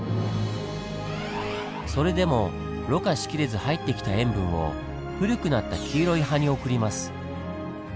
それでもろ過しきれず入ってきた塩分を古くなった黄色い葉に送ります。